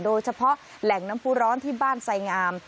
โดยเฉพาะแหล่งน้ำผู้ร้อนที่บ้านไสงาม